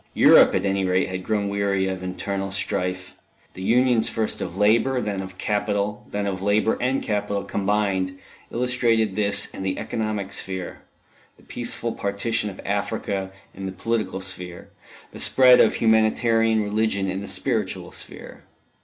Europe, at any rate, had grown weary of internal strife; the unions first of Labour, then of Capital, then of Labour and Capital combined, illustrated this in the economic sphere; the peaceful partition of Africa in the political sphere; the spread of Humanitarian religion in the spiritual sphere.